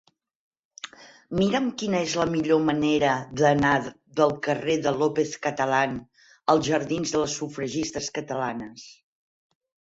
Mira'm quina és la millor manera d'anar del carrer de López Catalán als jardins de les Sufragistes Catalanes.